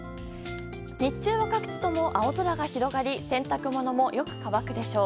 日中は各地とも青空が広がり洗濯物もよく乾くでしょう。